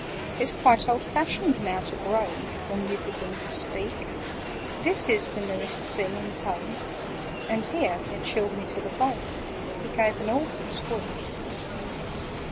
"It's quite old fashioned now to groan When you begin to speak: This is the newest thing in tone—" And here (it chilled me to the bone) He gave an awful squeak.